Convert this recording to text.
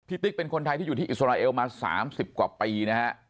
ติ๊กเป็นคนไทยที่อยู่ที่อิสราเอลมา๓๐กว่าปีนะฮะ